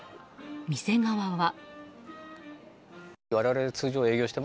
店側は。